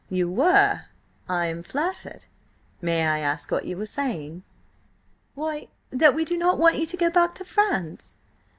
"You were? I am flattered! May I ask what you were saying?" "Why, that we do not want you to go back to France."